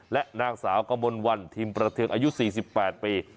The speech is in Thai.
และนางสาวกมลวันทิมประเทิงอายุ๔๘ปี